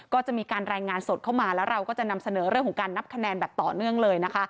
ก็จะมีการรายงานสดเข้ามาแล้วเราก็จะนำเสนอเรื่องของการนับคะแนนแบบต่อเนื่องเลยนะคะ